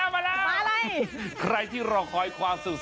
มาแล้ว